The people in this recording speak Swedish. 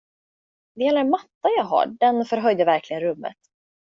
Det gäller en matta jag har, den förhöjde verkligen rummet.